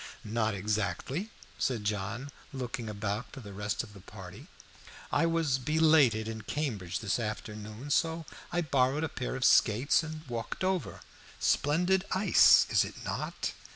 "Not exactly," said John, looking about for the rest of the party. "I was belated in Cambridge this afternoon, so I borrowed a pair of skates and walked over. Splendid ice, is it not?"